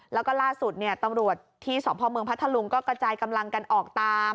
แล้วก็ล่าสุดตำรวจที่สพเมืองพัทธลุงก็กระจายกำลังกันออกตาม